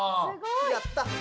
やった！